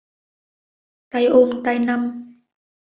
Tay ôm tay năm